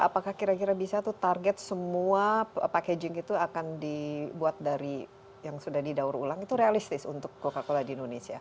apakah kira kira bisa tuh target semua packaging itu akan dibuat dari yang sudah didaur ulang itu realistis untuk coca cola di indonesia